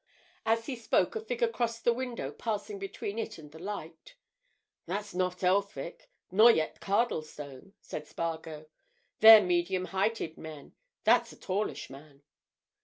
As he spoke, a figure crossed the window passing between it and the light. "That's not Elphick, nor yet Cardlestone," said Spargo. "They're medium heighted men. That's a tallish man."